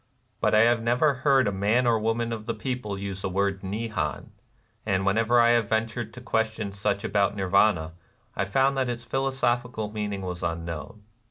But I have never heard a man or woman of the people use the word " Nehan ;" and whenever I have ventured to question such about Nirvana, I found that its philosophical meaning was unknown.